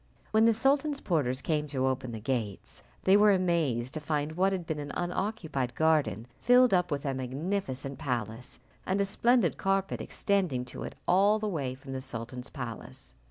When the sultan's porters came to open the gates, they were amazed to find what had been an unoccupied garden filled up with a magnificent palace, and a splendid carpet extending to it all the way from the sultan's palace.